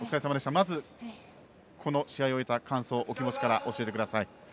まず、この試合を終えた感想お気持ちから教えてください。